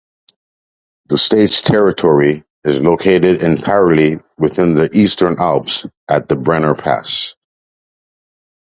The state's territory is located entirely within the Eastern Alps at the Brenner Pass.